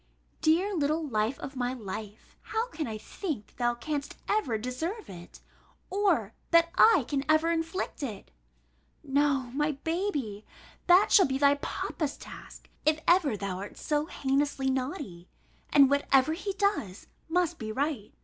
Dear little life of my life! how can I think thou canst ever deserve it, or that I can ever inflict it? No, my baby, that shall be thy papa's task, if ever thou art so heinously naughty; and whatever he does, must be right.